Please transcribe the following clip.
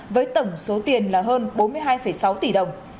với tổng số tiền là hơn bốn mươi hai sáu tỷ đồng